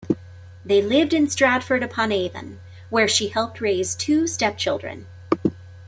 They lived in Stratford-upon-Avon, where she helped raise two stepchildren.